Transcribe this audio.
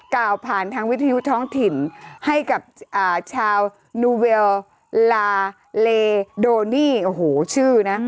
กล่าวผ่านทางวิทยุท้องถิ่นให้กับชาวนูเวลลาเลโดนี่โอ้โหชื่อนะ